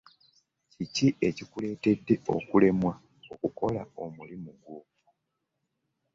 Kiki ekikuletedde okulemwa okukola omulimu gwo?